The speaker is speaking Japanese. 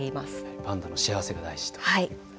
パンダの幸せが大事と。